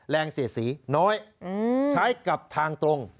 เสียดสีน้อยใช้กับทางตรง